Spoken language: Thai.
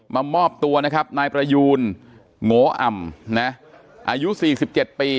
มามอบตัวนะครับนายประยูนโหอ่ำเนี้ยอายุสี่สิบเจ็ดปี